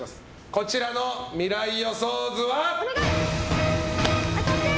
こちらの未来予想図は。